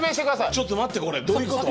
ちょっと待ってどういうこと？